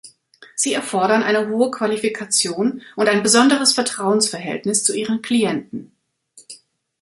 Sie erfordern eine hohe Qualifikation und ein besonderes Vertrauensverhältnis zu ihren Klienten.